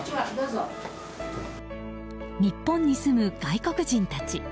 日本に住む外国人たち。